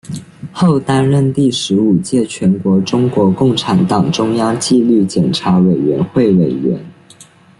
后担任第十五届全国中国共产党中央纪律检查委员会委员。